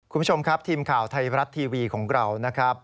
คุณผู้ชมครับทีมข่าวไทยรัฐทีวีของเรานะครับ